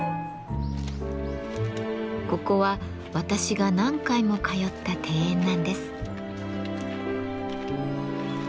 ここは私が何回も通った庭園なんです。